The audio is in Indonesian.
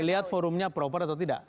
lihat forumnya proper atau tidak